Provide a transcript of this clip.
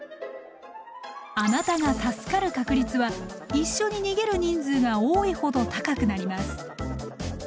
あなたが助かる確率は一緒に逃げる人数が多いほど高くなります。